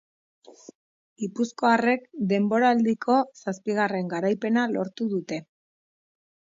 Gipuzkoarrek denboraldilo zazpigarren garaipena lortu dute.